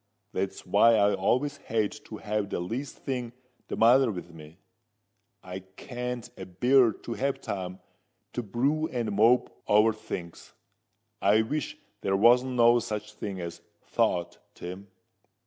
That's why I always hate to have the least thing the matter with me. I can't a bear to have time to brew and mope over things. I wish there wasn't no such thing as thought, Tim."